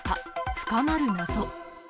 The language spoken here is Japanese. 深まる謎。